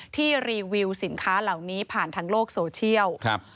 รีวิวสินค้าเหล่านี้ผ่านทางโลกโซเชียล